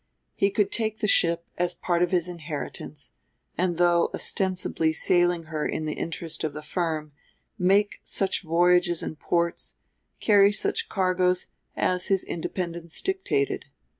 He could take the ship as part of his inheritance; and, though ostensibly sailing her in the interest of the firm, make such voyages and ports, carry such cargoes, as his independence dictated.